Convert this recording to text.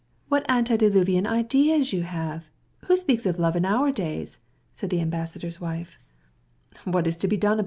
What antediluvian notions you have! Can one talk of love in these days?" said the ambassador's wife. "What's to be done?